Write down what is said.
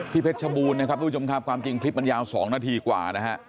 เพชรชบูรณ์นะครับทุกผู้ชมครับความจริงคลิปมันยาว๒นาทีกว่านะฮะ